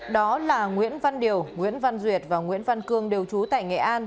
đó là nguyễn văn điều nguyễn văn duyệt và nguyễn văn cương đều trú tại nghệ an